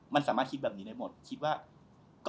ไปกดดูเนี่ย